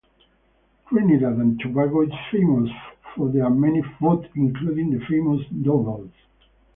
Trinidad and Tobago is famous for their many food, including the famous doubles.